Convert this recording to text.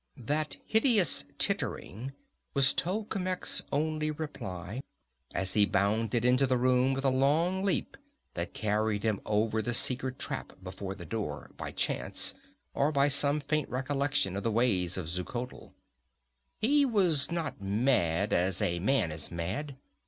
That hideous tittering was Tolkemec's only reply, as he bounded into the room with a long leap that carried him over the secret trap before the door by chance, or by some faint recollection of the ways of Xuchotl. He was not mad, as a man is mad.